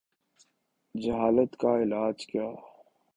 جہالت کا علاج کیا؟